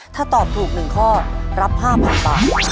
ถ้าตอบถูก๑ข้อรับ๕๐๐๐บาท